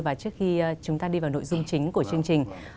và trước khi chúng ta đi vào nội dung chính của chương trình